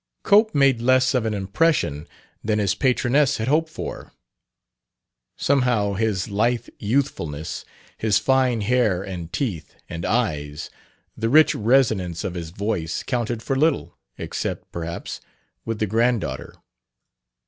Cope made less of an impression than his patroness had hoped for. Somehow his lithe youthfulness, his fine hair and teeth and eyes, the rich resonance of his voice counted for little except, perhaps, with the granddaughter.